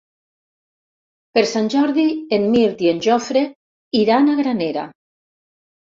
Per Sant Jordi en Mirt i en Jofre iran a Granera.